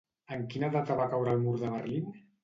En quina data va caure el mur de Berlín?